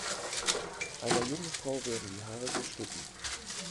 Einer jungen Frau werden die Haare geschnitten.